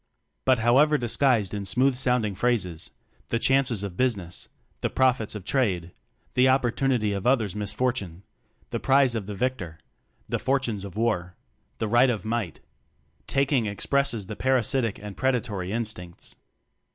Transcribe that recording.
But however disguised in smooth sounding phrases the "chances of business," the "profits of trade," the "opportunity of others' misfor tune," the "prize of the victor," the "fortunes of war," the "right of might" taking expresses the par asitic and predatory instincts.